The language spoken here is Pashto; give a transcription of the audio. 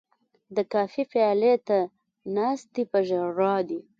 د کافي پیالې ته ناست دی په ژړا دی